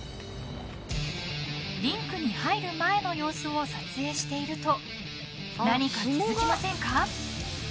リンクに入る前の様子を撮影していると何か気付きませんか？